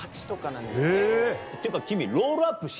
っていうか君。